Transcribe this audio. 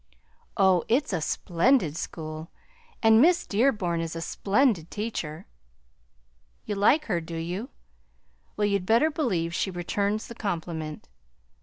"Oh, it's a splendid school! And Miss Dearborn is a splendid teacher!" "You like her, do you? Well, you'd better believe she returns the compliment.